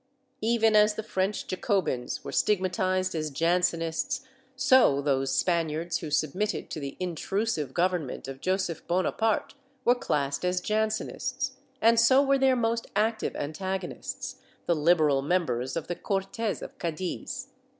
Even as the French Jacobins were stig matized as Jansenists, so those Spaniards who submitted to the "intrusive" government of Joseph Bonapart were classed as Jan senists, and so were their most active antagonists, the liberal members of the Cortes of Cadiz.'